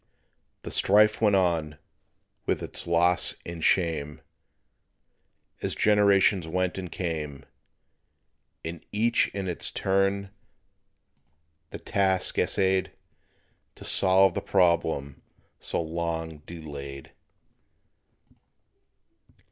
The strife went on with its loss and shame, As generations went and came, And each in its turn the task essayed To solve the problem so long delayed.